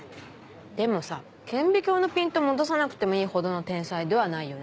でもさ顕微鏡のピント戻さなくてもいいほどの天才ではないよね。